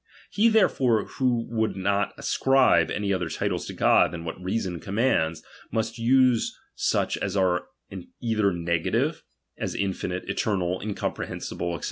He therefore who would not ascribe any other titles to God than what reason commands, must use such as are either negative, as infinite, eternal, incomprehen sible, &c.